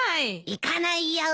行かないよー。